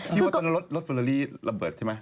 คิดว่ารถเฟอร์โลรี่ระเบิดใช่มั้ย